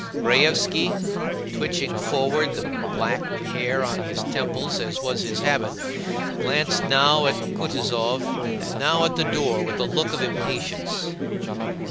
Raévski, twitching forward the black hair on his temples as was his habit, glanced now at Kutúzov and now at the door with a look of impatience.